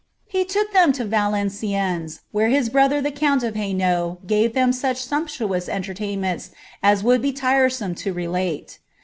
He took 0 Valenciennes, where his brother the count of Hainault gave ich sumptuous entertainment as would be tiresome to relate.